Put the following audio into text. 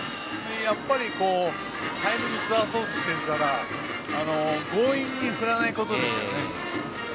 やっぱり、タイミングをずらそうとしているから強引に振らないことですよね。